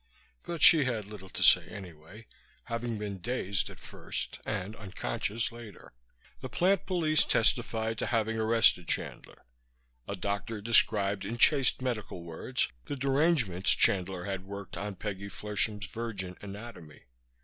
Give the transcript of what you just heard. But she had little to say anyway, having been dazed at first and unconscious later. The plant police testified to having arrested Chandler; a doctor described in chaste medical words the derangements Chandler had worked on Peggy Flershem's virgin anatomy.